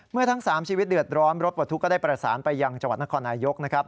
ทั้ง๓ชีวิตเดือดร้อนรถปลดทุกข์ก็ได้ประสานไปยังจังหวัดนครนายกนะครับ